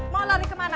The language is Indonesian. mau lari kemana